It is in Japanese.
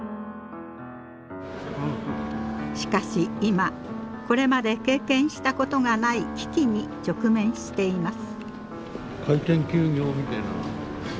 しかし今これまで経験したことがない危機に直面しています。